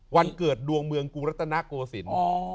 วันเกิดดวงเมืองกรุงรัตนโกศิลป์